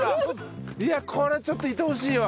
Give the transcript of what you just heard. いやこれちょっといてほしいわ。